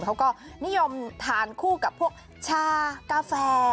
เขาก็นิยมทานคู่กับพวกชากาแฟ